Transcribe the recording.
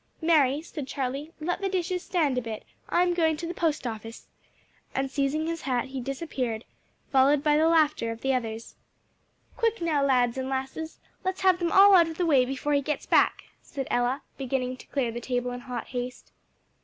"Mary," said Charlie, "let the dishes stand a bit. I'm going to the post office," and seizing his hat he disappeared, followed by the laughter of the others. "Quick, now, lads and lasses, let's have them all out of the way before he gets back," said Ella, beginning to clear the table in hot haste.